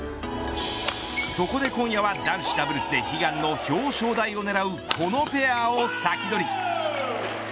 そこで今夜は、男子ダブルスで悲願の表彰台を狙うこのペアをサキドリ。